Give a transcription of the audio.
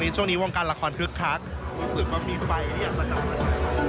ช่วงนี้วงการละครคึกคักรู้สึกว่ามีไฟที่อยากจะกลับมา